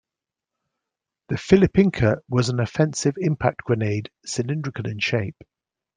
The "Filipinka" was an offensive impact grenade, cylindrical in shape.